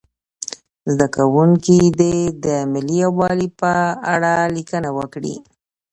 زده کوونکي دې د ملي یووالي په اړه لیکنه وکړي.